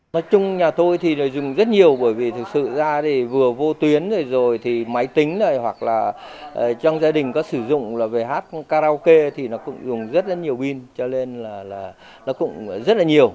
nói chung nhà tôi thì dùng rất nhiều bởi vì thực sự ra thì vừa vô tuyến rồi thì máy tính này hoặc là trong gia đình có sử dụng là về hát karaoke thì nó cũng dùng rất là nhiều pin cho nên là nó cũng rất là nhiều